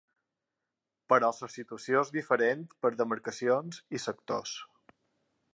Però la situació és diferent per demarcacions i sectors.